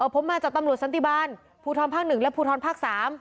ผมมาจากตำรวจสันติบาลภูทรภาค๑และภูทรภาค๓